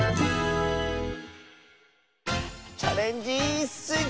「チャレンジスイちゃん」！